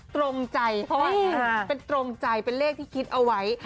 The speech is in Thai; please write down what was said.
ตรงใจเป็นตรงใจเป็นเลขที่คิดเอาไว้